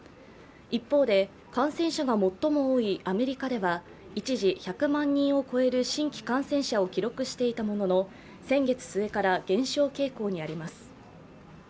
一方で感染者が最も多いアメリカでは一時１００万人を超える新規感染者を記録していたものの先月末から減少傾向にあります。